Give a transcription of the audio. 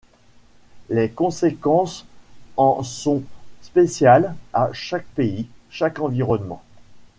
Les conséquences en sont spéciales à chaque pays, chaque environnement.